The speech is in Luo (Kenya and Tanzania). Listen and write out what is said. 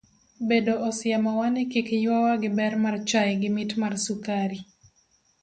Bedo osiemo wa ni kik yuawa gi ber mar chai gi mit mar sukari.